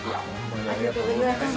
ありがとうございます。